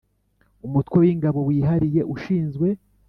Umutwe w Ingabo wihariye ushinzwe